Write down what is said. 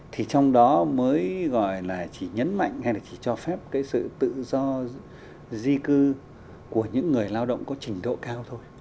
thì trong đó mới gọi là chỉ nhấn mạnh hay là chỉ cho phép cái sự tự do di cư của những người lao động có trình độ cao thôi